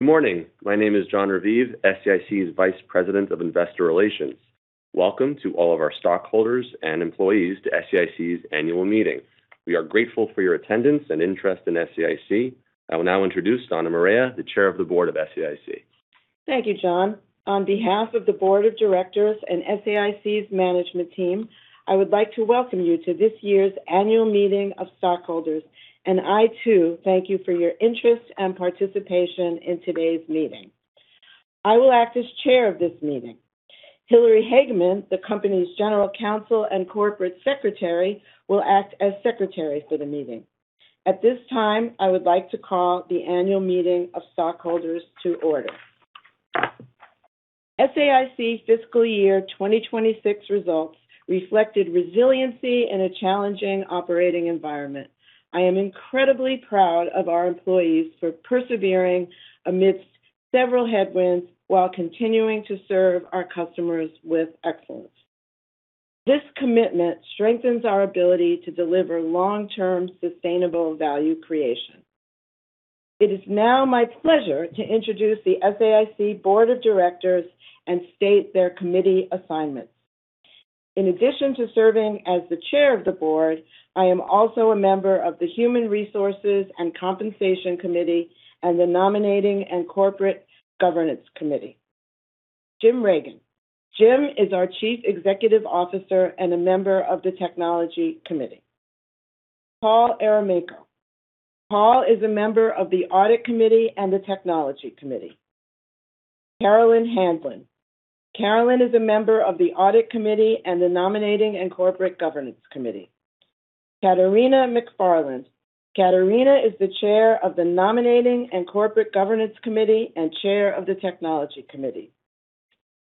Good morning. My name is Jon Raviv, SAIC's Vice President of Investor Relations. Welcome to all of our stockholders and employees to SAIC's annual meeting. We are grateful for your attendance and interest in SAIC. I will now introduce Donna Morea, the Chair of the Board of SAIC. Thank you, Jon. On behalf of the Board of Directors and SAIC's management team, I would like to welcome you to this year's annual meeting of stockholders. I too thank you for your interest and participation in today's meeting. I will act as chair of this meeting. Hilary Hageman, the company's General Counsel and Corporate Secretary, will act as secretary for the meeting. At this time, I would like to call the annual meeting of stockholders to order. SAIC's fiscal year 2026 results reflected resiliency in a challenging operating environment. I am incredibly proud of our employees for persevering amidst several headwinds while continuing to serve our customers with excellence. This commitment strengthens our ability to deliver long-term sustainable value creation. It is now my pleasure to introduce the SAIC Board of Directors and state their committee assignments. In addition to serving as the Chair of the Board, I am also a member of the Human Resources and Compensation Committee and the Nominating and Corporate Governance Committee. Jim Reagan. Jim is our Chief Executive Officer and a member of the Technology Committee. Paul Eremenko. Paul is a member of the Audit Committee and the Technology Committee. Carolyn Handlon. Carolyn is a member of the Audit Committee and the Nominating and Corporate Governance Committee. Katharina McFarland. Katharina is the Chair of the Nominating and Corporate Governance Committee and Chair of the Technology Committee.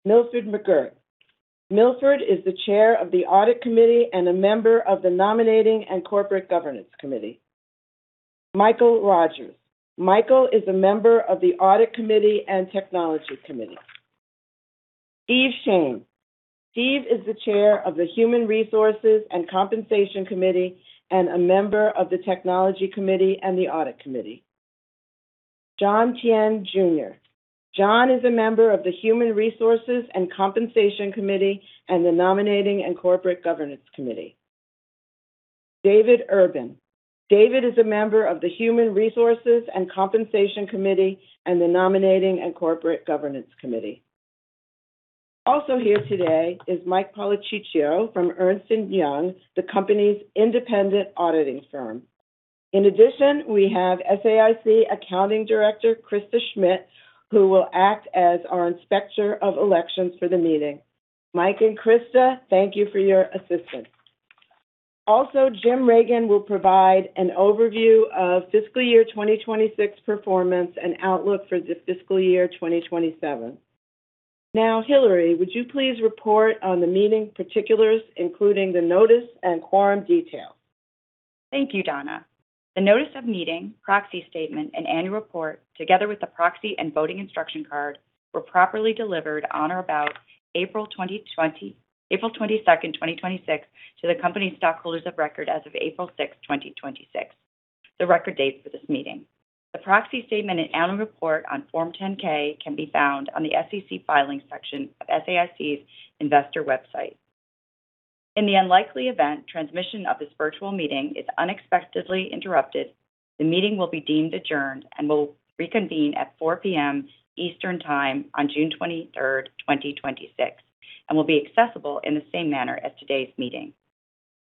Milford McGuirt. Milford is the Chair of the Audit Committee and a member of the Nominating and Corporate Governance Committee. Michael Rogers. Michael is a member of the Audit Committee and Technology Committee. Steve Shane. Steve is the Chair of the Human Resources and Compensation Committee and a member of the Technology Committee and the Audit Committee. John Tien Jr. John is a member of the Human Resources and Compensation Committee and the Nominating and Corporate Governance Committee. David Urban. David is a member of the Human Resources and Compensation Committee and the Nominating and Corporate Governance Committee. Also here today is Mike Policicchio from Ernst & Young, the company's independent auditing firm. In addition, we have SAIC Accounting Director, Krista Smith, who will act as our Inspector of Elections for the meeting. Mike and Krista, thank you for your assistance. Also, Jim Reagan will provide an overview of fiscal year 2026 performance and outlook for the fiscal year 2027. Now, Hilary, would you please report on the meeting particulars, including the notice and quorum details? Thank you, Donna. The notice of meeting, proxy statement, and annual report, together with the proxy and voting instruction card, were properly delivered on or about April 22nd, 2026, to the company's stockholders of record as of April 6th, 2026, the record date for this meeting. The proxy statement and annual report on Form 10-K can be found on the SEC Filings section of SAIC's investor website. In the unlikely event transmission of this virtual meeting is unexpectedly interrupted, the meeting will be deemed adjourned and will reconvene at 4:00 P.M. Eastern Time on June 23rd, 2026, and will be accessible in the same manner as today's meeting.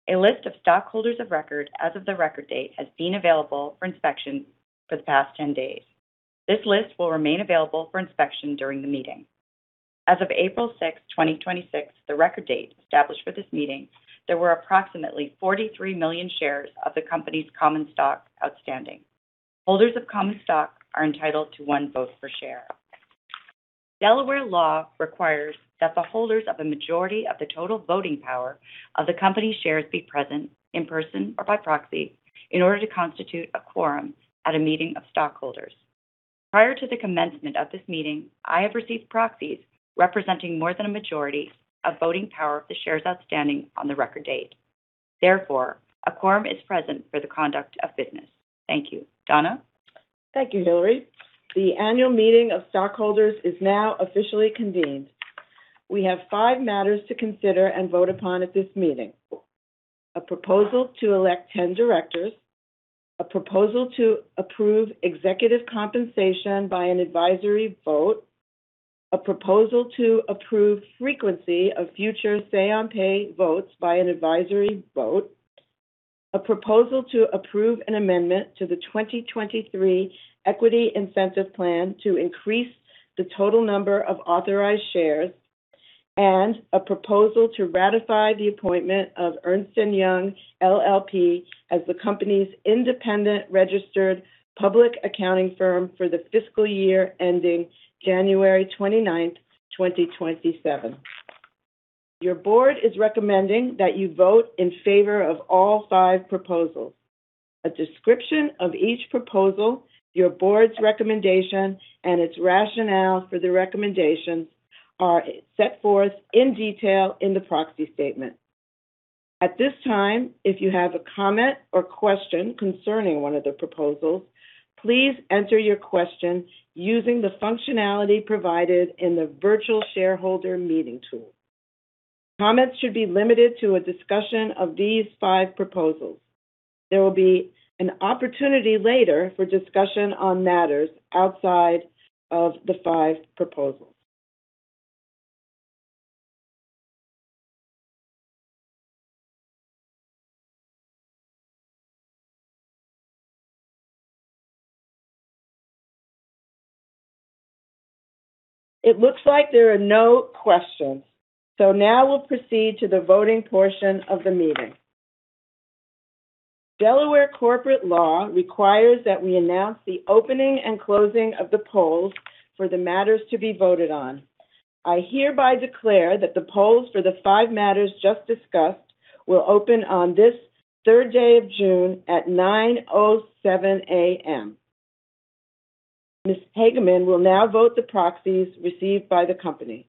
A list of stockholders of record as of the record date has been available for inspection for the past 10 days. This list will remain available for inspection during the meeting. As of April 6th, 2026, the record date established for this meeting, there were approximately 43 million shares of the company's common stock outstanding. Holders of common stock are entitled to one vote per share. Delaware law requires that the holders of a majority of the total voting power of the company's shares be present in person or by proxy in order to constitute a quorum at a meeting of stockholders. Prior to the commencement of this meeting, I have received proxies representing more than a majority of voting power of the shares outstanding on the record date. Therefore, a quorum is present for the conduct of business. Thank you. Donna? Thank you, Hilary. The annual meeting of stockholders is now officially convened. We have five matters to consider and vote upon at this meeting. A proposal to elect 10 directors, a proposal to approve executive compensation by an advisory vote, a proposal to approve frequency of future say-on-pay votes by an advisory vote, a proposal to approve an amendment to the 2023 Equity Incentive Plan to increase the total number of authorized shares, and a proposal to ratify the appointment of Ernst & Young LLP as the company's independent registered public accounting firm for the fiscal year ending January 29th, 2027. Your board is recommending that you vote in favor of all five proposals. A description of each proposal, your board's recommendation, and its rationale for the recommendations are set forth in detail in the proxy statement. At this time, if you have a comment or question concerning one of the proposals, please enter your question using the functionality provided in the virtual shareholder meeting tool. Comments should be limited to a discussion of these five proposals. There will be an opportunity later for discussion on matters outside of the five proposals. It looks like there are no questions. Now we'll proceed to the voting portion of the meeting. Delaware corporate law requires that we announce the opening and closing of the polls for the matters to be voted on. I hereby declare that the polls for the five matters just discussed will open on this 3rd day of June at 9:07 A.M. Ms. Hageman will now vote the proxies received by the company.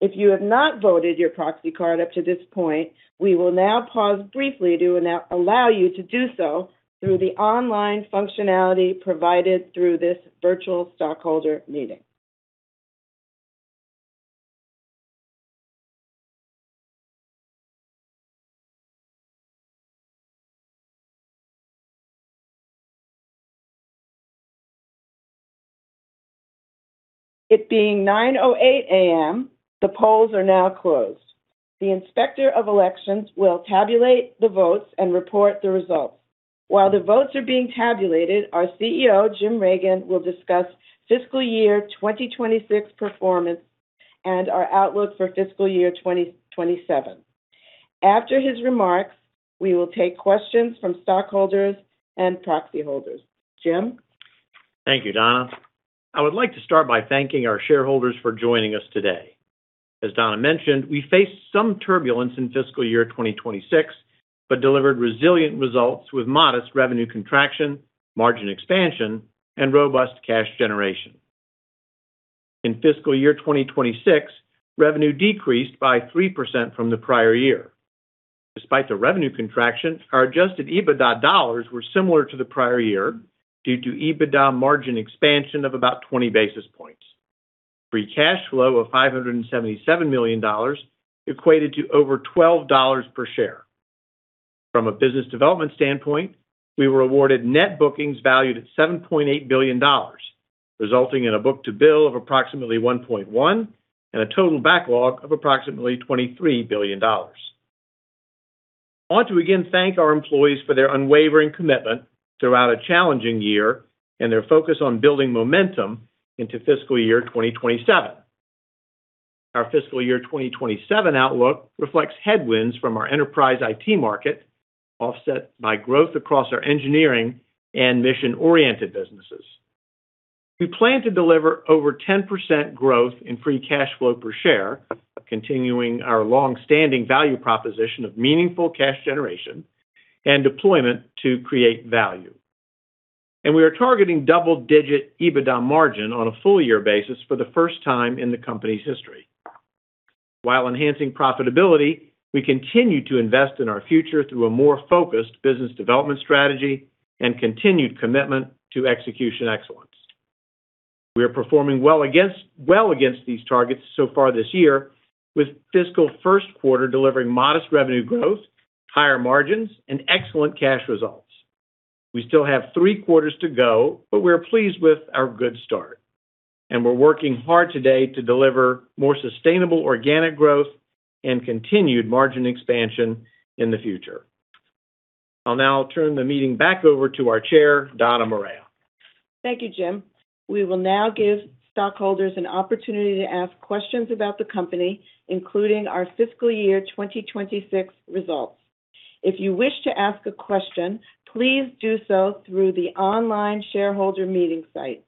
If you have not voted your proxy card up to this point, we will now pause briefly to allow you to do so through the online functionality provided through this virtual stockholder meeting. It being 9:08 A.M., the polls are now closed. The Inspector of Elections will tabulate the votes and report the results. While the votes are being tabulated, our CEO, Jim Reagan, will discuss fiscal year 2026 performance and our outlook for fiscal year 2027. After his remarks, we will take questions from stockholders and proxy holders. Jim? Thank you, Donna. I would like to start by thanking our shareholders for joining us today. As Donna mentioned, we faced some turbulence in fiscal year 2026, but delivered resilient results with modest revenue contraction, margin expansion, and robust cash generation. In fiscal year 2026, revenue decreased by 3% from the prior year. Despite the revenue contraction, our adjusted EBITDA dollars were similar to the prior year due to EBITDA margin expansion of about 20 basis points. Free cash flow of $577 million equated to over $12 per share. From a business development standpoint, we were awarded net bookings valued at $7.8 billion, resulting in a book-to-bill of approximately 1.1 and a total backlog of approximately $23 billion. I want to again thank our employees for their unwavering commitment throughout a challenging year and their focus on building momentum into fiscal year 2027. Our fiscal year 2027 outlook reflects headwinds from our enterprise IT market, offset by growth across our engineering and mission-oriented businesses. We plan to deliver over 10% growth in free cash flow per share, continuing our long-standing value proposition of meaningful cash generation and deployment to create value. We are targeting double-digit EBITDA margin on a full-year basis for the first time in the company's history. While enhancing profitability, we continue to invest in our future through a more focused business development strategy and continued commitment to execution excellence. We are performing well against these targets so far this year, with fiscal first quarter delivering modest revenue growth, higher margins, and excellent cash results. We still have three quarters to go, but we are pleased with our good start, and we're working hard today to deliver more sustainable organic growth and continued margin expansion in the future. I'll now turn the meeting back over to our Chair, Donna Morea. Thank you, Jim. We will now give stockholders an opportunity to ask questions about the company, including our fiscal year 2026 results. If you wish to ask a question, please do so through the online shareholder meeting site.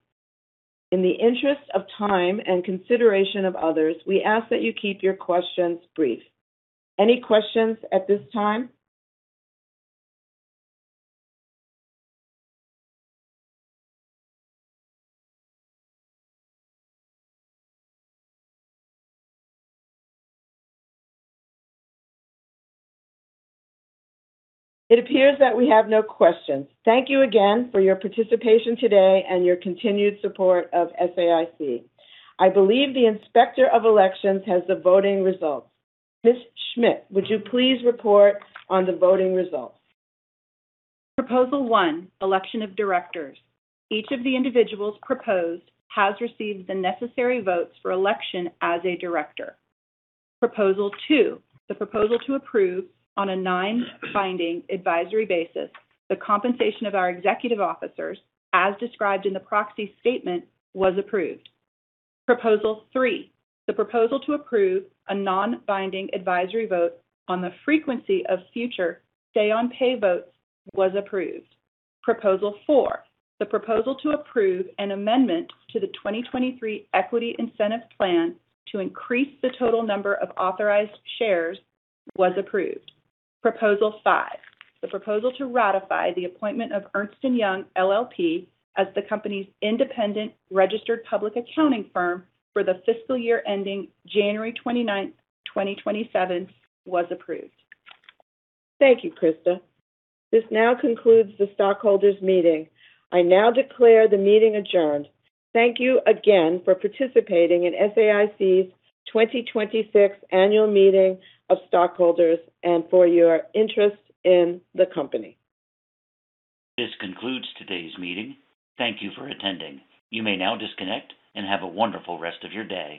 In the interest of time and consideration of others, we ask that you keep your questions brief. Any questions at this time? It appears that we have no questions. Thank you again for your participation today and your continued support of SAIC. I believe the Inspector of Elections has the voting results. Ms. Smith, would you please report on the voting results? Proposal one, election of directors. Each of the individuals proposed has received the necessary votes for election as a director. Proposal two, the proposal to approve on a non-binding advisory basis the compensation of our executive officers, as described in the proxy statement, was approved. Proposal three, the proposal to approve a non-binding advisory vote on the frequency of future say-on-pay votes was approved. Proposal four, the proposal to approve an amendment to the 2023 Equity Incentive Plan to increase the total number of authorized shares was approved. Proposal five, the proposal to ratify the appointment of Ernst & Young LLP as the company's independent registered public accounting firm for the fiscal year ending January 29th, 2027, was approved. Thank you, Krista. This now concludes the stockholders meeting. I now declare the meeting adjourned. Thank you again for participating in SAIC's 2026 annual meeting of stockholders and for your interest in the company. This concludes today's meeting. Thank you for attending. You may now disconnect and have a wonderful rest of your day.